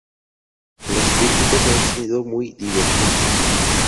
Las críticas han sido muy divergentes.